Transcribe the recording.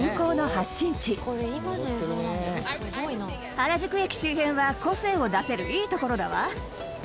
原宿駅周辺は個性を出せる、いい所だわ。